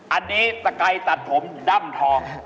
อันนี้สไกรตัดผมด้ำทอง